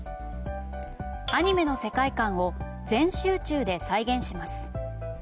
アニメの世界観を全集中で再現します。